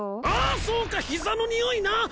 あそうか膝のにおいな！